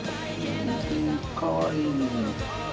かわいいね。